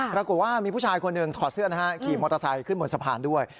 ปรากฏว่ามีผู้ชายคนหนึ่งถอดเสื้อนะฮะขี่มอเตอร์ไซค์ขึ้นบนสะพานด้วย